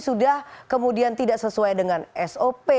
sudah kemudian tidak sesuai dengan sop